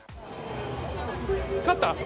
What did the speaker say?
勝った？